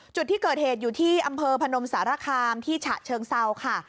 จุดที่เกิดเหตุอยู่ที่อำเภอพนมสารคามที่ฉะเชิงเซาค่ะ